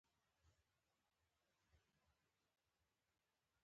احمد له موره ګوښی دی، خو ډېر په مېړانه یې ژوند وکړ.